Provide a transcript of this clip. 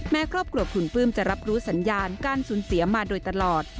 ครอบครัวคุณปลื้มจะรับรู้สัญญาณการสูญเสียมาโดยตลอด